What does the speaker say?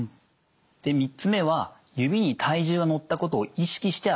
で３つ目は指に体重がのったことを意識して歩く。